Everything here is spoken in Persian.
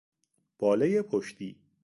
بالهی پشتی